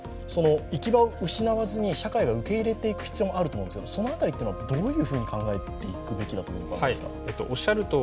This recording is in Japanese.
行き場を失わずに社会が受け入れていく必要もあると思いますが、その辺りっていうのはどういうふうに考えていくべきだと思いますか？